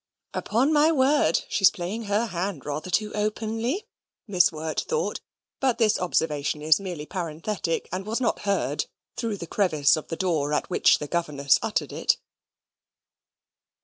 "Upon my word, she's playing her hand rather too openly," Miss Wirt thought; but this observation is merely parenthetic, and was not heard through the crevice of the door at which the governess uttered it.